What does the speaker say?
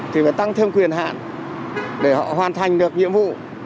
thì phải tăng thêm quyền hạn để họ hoàn thành được nhiệm vụ